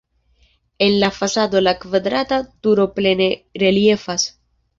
En la fasado la kvadrata turo plene reliefas.